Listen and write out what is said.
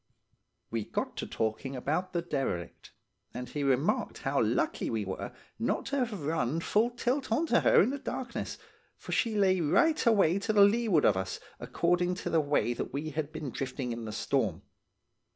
"We got talking about the derelict, and he remarked how lucky we were not to have run full tilt on to her in the darkness, for she lay right away to leeward of us, according, to the way that we had been drifting in the storm.